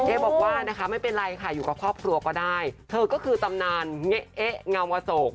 บอกว่านะคะไม่เป็นไรค่ะอยู่กับครอบครัวก็ได้เธอก็คือตำนานเง๊ะเงามโศก